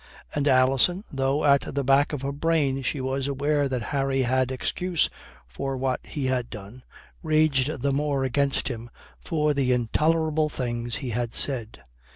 And Alison, though at the back of her brain she was aware that Harry had excuse for what he had done, raged the more against him for the intolerable things he had said.